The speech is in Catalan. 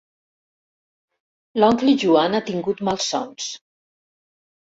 L'oncle Joan ha tingut malsons.